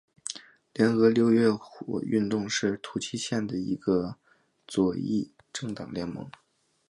联合六月运动是土耳其的一个左翼政党联盟。